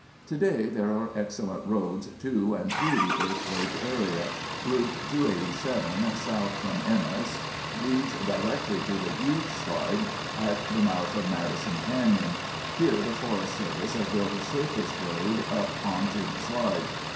Today there are excellent roads to and through the Earthquake Area. Route 287, south from Ennis, leads directly to the huge slide at the mouth of Madison Canyon. Here the Forest Service has built a surfaced road up onto the slide.